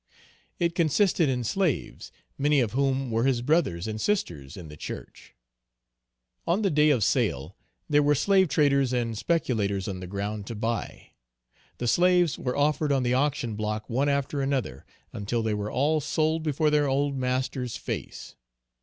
It consisted in slaves, many of whom were his brothers and sisters in the church. On the day of sale there were slave traders and speculators on the ground to buy. The slaves were offered on the auction block one after another, until they were all sold before their old master's face.